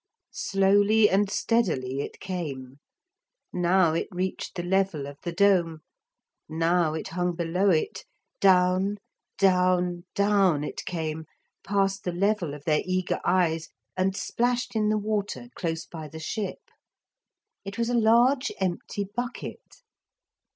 Slowly and steadily it came; now it reached the level of the dome, now it hung below it; down, down, down it came, past the level of their eager eyes and splashed in the water close by the ship. It was a large empty bucket.